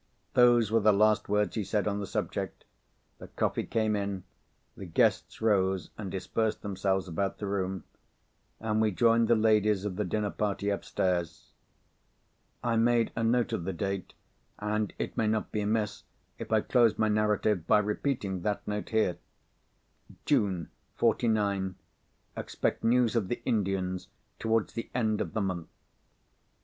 Those were the last words he said on the subject. The coffee came in; the guests rose, and dispersed themselves about the room; and we joined the ladies of the dinner party upstairs. I made a note of the date, and it may not be amiss if I close my narrative by repeating that note here: _June, 'forty nine. Expect news of the Indians, towards the end of the month.